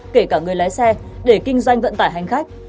kể cả người lái xe để kinh doanh vận tải hành khách